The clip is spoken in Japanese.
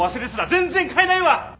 全然買えないわ！